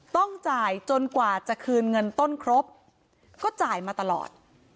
ต้องจ่ายจนกว่าจะคืนเงินต้นครบก็จ่ายมาตลอด